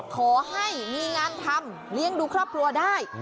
ขอให้มีงานทำเลี้ยงดูครอบครัวได้